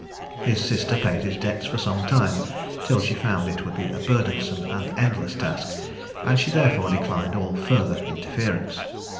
His sister paid his debts for some time, till she found it would be a burdensome and endless task; and she therefore declined all further interference.